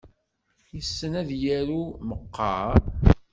Yessen ad yaru meqqar?